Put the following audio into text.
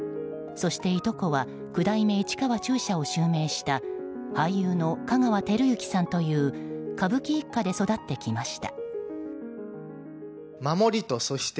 そして、いとこは九代目市川中車を襲名した俳優の香川照之さんという歌舞伎一家で育ってきました。